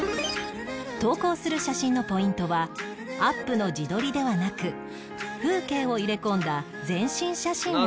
投稿する写真のポイントはアップの自撮りではなく風景を入れ込んだ全身写真を撮る事